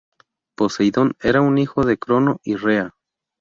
Poseidón era un hijo de Crono y Rea.